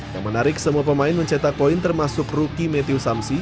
yang menarik semua pemain mencetak poin termasuk rookie matthew samsi